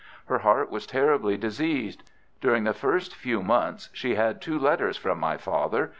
Her heart was terribly diseased. During the first few months she had two letters from my father.